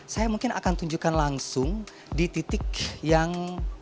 saya mungkin akan tunjukkan langsung di titik yang